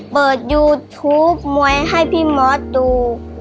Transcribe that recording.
เปิดยูทูปมวยให้พี่มอสดู